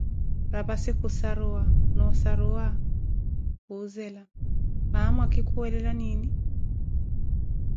Rapassi khuʼssaruwa, noo ossaruwa khuzela, mamaa mwakikuwelela nini?